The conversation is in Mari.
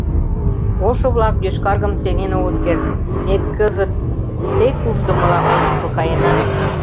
Ошо-влак йошкаргым сеҥен огыт керт: ме кызыт тек ушдымыла ончык каена.